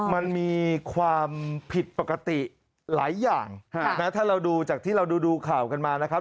มันมีความผิดปกติหลายอย่างถ้าเราดูจากที่เราดูข่าวกันมานะครับ